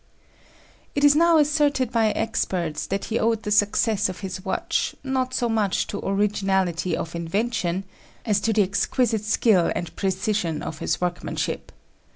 It is now asserted by experts that he owed the success of his watch, not so much to originality of invention, as to the exquisite skill and precision of his workmanship.